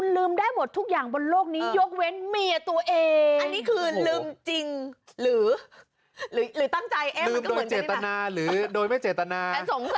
ลืมโดนเจตนาหรือโดยไม่เจตนา